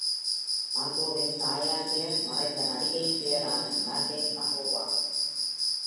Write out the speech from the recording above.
மன்றோவின் தாயின் பெயர், மறைந்த நடிகையின் பெயரான மர்லின் மன்றோவாகும்.